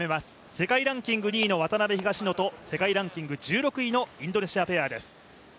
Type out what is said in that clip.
世界ランキング２位の渡辺・東野と世界ランキング１６位のインドネシアペアです。